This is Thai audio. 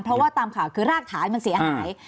เพราะว่าตามข่าวคือรากฐานมันเสียหาย